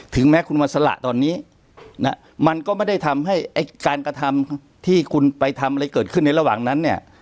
แม้คุณมาสละตอนนี้นะมันก็ไม่ได้ทำให้ไอ้การกระทำที่คุณไปทำอะไรเกิดขึ้นในระหว่างนั้นเนี่ย